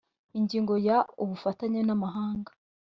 ingingo ya ubufatanye n amahanga